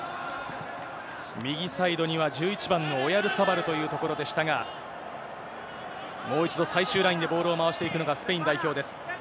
右サイドには、１１番のオヤルサバルというところでしたが、もう一度、最終ラインでボールを回していくのがスペイン代表です。